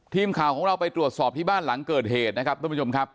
ทีมข่าวของเราไปตรวจสอบที่บ้านหลังเกิดเหตุนะครับท่านผู้ชมครับ